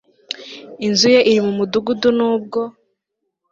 Inzu ye iri mu mudugudu nubwo